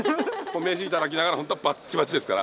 名刺いただきながら本当はバッチバチですから。